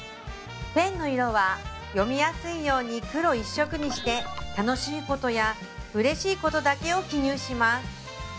ペンの色は読みやすいように黒１色にして楽しいことや嬉しいことだけを記入します